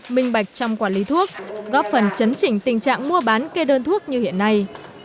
minh bạch trong quản lý thuốc góp phần chấn chỉnh tình trạng mua bán kê đơn thuốc như hiện nay